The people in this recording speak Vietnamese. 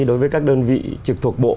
đối với các đơn vị trực thuộc bộ